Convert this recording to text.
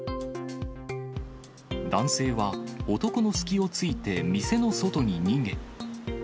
男性は、男の隙をついて店の外に逃げ。